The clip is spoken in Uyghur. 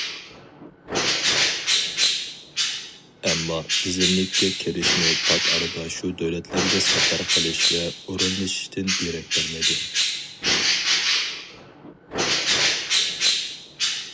ئەمما تىزىملىككە كىرىشمۇ پات ئارىدا شۇ دۆلەتلەرگە سەپەر قىلىش ۋە ئورۇنلىشىشتىن دېرەك بەرمەيدۇ.